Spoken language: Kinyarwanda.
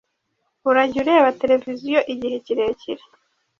Urajye ureba televisiyo igihe kirekire